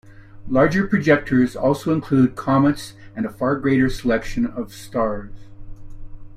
Larger projectors also include comets and a far greater selection of stars.